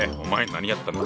何やってんだ。